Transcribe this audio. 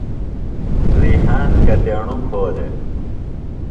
ریحان کتیݨوۡ پھو دےۡ؟